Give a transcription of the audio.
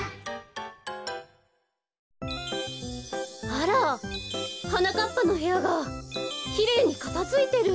あらはなかっぱのへやがきれいにかたづいてる。